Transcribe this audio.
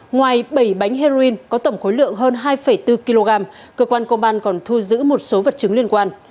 ngoài bảy bánh heroin có tổng khối lượng hơn hai bốn kg cơ quan công an còn thu giữ một số vật chứng liên quan